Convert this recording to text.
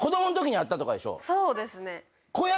そうですね。